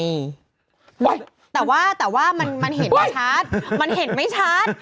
แต่ไว้แต่ว่าแต่ว่ามันเห็นอุ้ยมันเห็นไม่ใช่